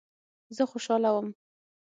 زه خوشاله وم.